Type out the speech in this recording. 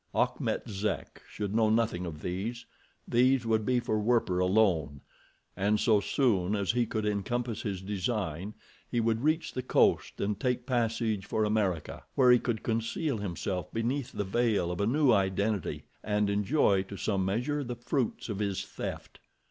Achmet Zek should know nothing of these—these would be for Werper alone, and so soon as he could encompass his design he would reach the coast and take passage for America, where he could conceal himself beneath the veil of a new identity and enjoy to some measure the fruits of his theft.